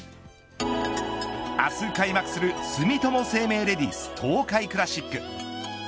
明日開幕する住友生命レディス東海クラシック。